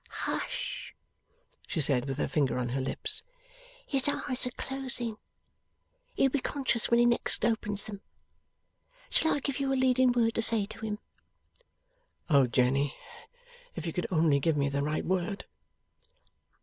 'Hush!' she said, with her finger on her lips. 'His eyes are closing. He'll be conscious when he next opens them. Shall I give you a leading word to say to him?' 'O Jenny, if you could only give me the right word!